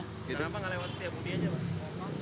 kenapa nggak lewat setiapudi saja